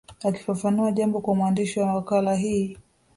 Akifafanua jambo kwa mwandishi wa makala hii